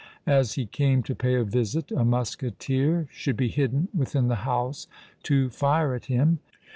As he came to pay a visit, a musketeer should be hidden within the house to fire at him.